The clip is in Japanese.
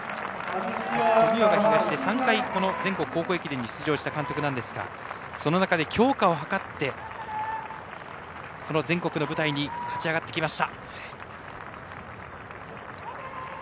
富岡東で３回全国高校駅伝に出場した監督なんですがその中で強化を図ってこの全国の舞台に勝ち上がってきました。